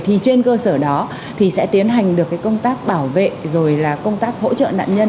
thì trên cơ sở đó thì sẽ tiến hành được cái công tác bảo vệ rồi là công tác hỗ trợ nạn nhân